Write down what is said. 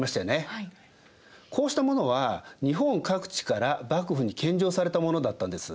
こうしたものは日本各地から幕府に献上されたものだったんです。